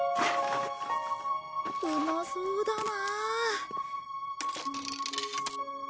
うまそうだな。